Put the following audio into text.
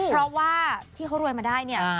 เพราะว่าที่เขารวยมาได้เนี่ย